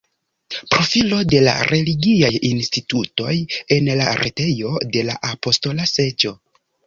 Profilo de la religiaj institutoj en la retejo de la Apostola Seĝo.